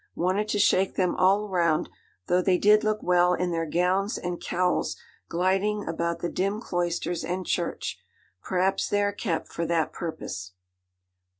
Wanted to shake them all round, though they did look well in their gowns and cowls gliding about the dim cloisters and church. Perhaps they are kept for that purpose.